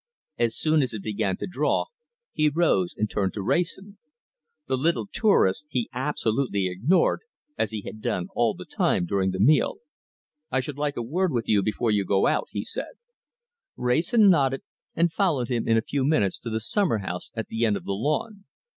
As soon as it began to draw, he rose and turned to Wrayson. The little tourist he absolutely ignored, as he had done all the time during the meal. "I should like a word with you before you go out," he said. Wrayson nodded, and followed him in a few minutes to the summer house at the end of the lawn.